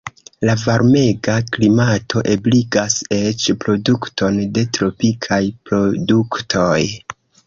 La varmega klimato ebligas eĉ produkton de tropikaj produktoj.